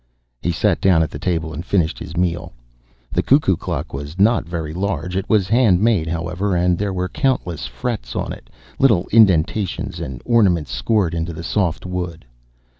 He sat down at the table and finished his meal. The cuckoo clock was not very large. It was hand made, however, and there were countless frets on it, little indentations and ornaments scored in the soft wood.